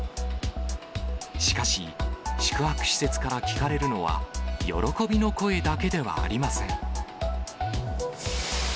しかし、宿泊施設から聞かれるのは、喜びの声だけではありません。